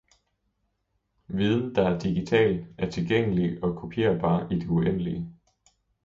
Viden, der er digital, er tilgængelig og kopierbar i det uendelige